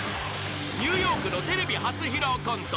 ［ニューヨークのテレビ初披露コント］